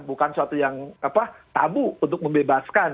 bukan suatu yang tabu untuk membebaskan